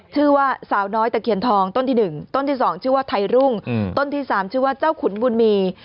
ชื่อว่าสาวน้อยตะเคียนทองต้นที่๑ต้นที่๒ชื่อว่าไทยรุ่งต้นที่๓ชื่อว่าเจ้าขุนบุญมี